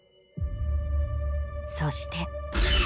そして。